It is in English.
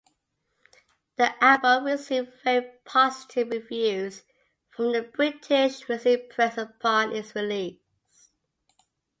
The album received very positive reviews from the British music press upon its release.